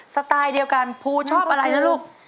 สไตล์เดียวกันภูชอบอะไรนะลูก